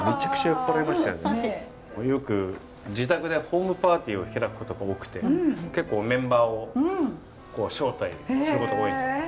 よく自宅でホームパーティーを開くことが多くて結構メンバーを招待することが多いんですけど。